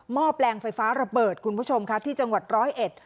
แปลงไฟฟ้าระเบิดคุณผู้ชมค่ะที่จังหวัดร้อยเอ็ด